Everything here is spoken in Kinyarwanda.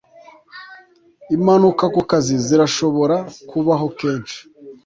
Impanuka ku kazi zirashobora kubaho kenshi,